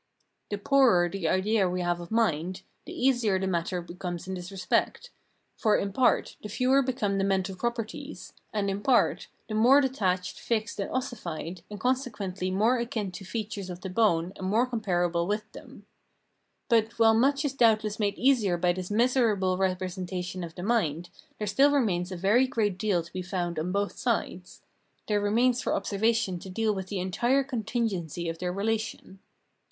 The poorer the idea we have of mind, the easier the matter becomes in this respect ; for, in part, the fewer 324 Phenomenology of Mind become tke mental properties, and, in part, the more detaciied, fixed, and ossified, and consequently more akin to features of the bone and more comparable with them. But, while much is doubtless made easier by this miserable representation of the mind, there still remains a very great deal to be found on both sides : there re mains for observation to deal with the entire contingency of their relation.